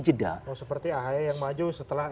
jeda seperti aha yang maju setelah